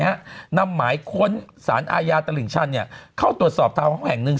นำหมายค้นสารอาญาตลิ่งชันเนี่ยเข้าตรวจสอบทาวน์แห่งหนึ่ง